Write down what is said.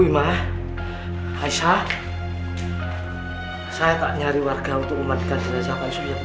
bu imah aisyah saya kak nyari warga untuk umatkan jenazah pak yusuf ya bu ya